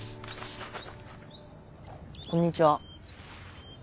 こんにちは。